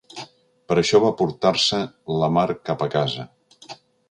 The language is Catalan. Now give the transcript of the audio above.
Per això va portar-se la mar cap a casa.